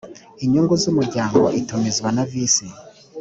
inyungu z umuryango itumizwa na visi